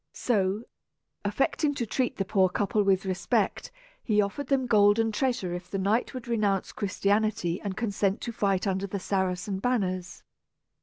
So, affecting to treat the poor couple with respect, he offered them gold and treasure if the knight would renounce Christianity and consent to fight under the Saracen banners.